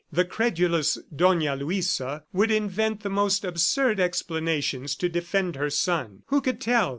The credulous Dona Luisa would invent the most absurd explanations to defend her son. Who could tell?